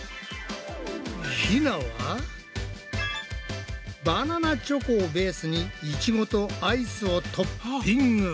ひなはバナナチョコをベースにイチゴとアイスをトッピング。